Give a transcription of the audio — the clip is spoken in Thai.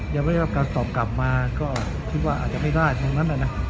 ยังไม่ได้รับการตอบกลับมาก็คิดว่าอาจจะไม่ได้ทั้งนั้นนะ